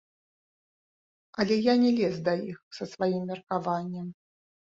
Але я не лез да іх са сваім меркаваннем.